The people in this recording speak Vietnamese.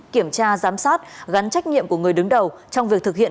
kiểm tra giám sát gắn trách nhiệm của người đứng đầu trong việc thực hiện